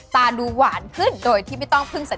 ตาดูหวานขึ้นโดยที่ไม่ต้องพึ่งใส่